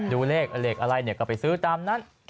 ดูเลขเลขอะไรก็ไปซื้อตามนั้น